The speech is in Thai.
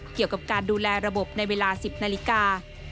เกี่ยวกับการดูแลระบบในเวลา๑๐นาฬิกา